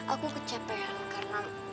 aku kecepehan karena